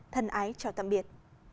thân ái chào tạm biệt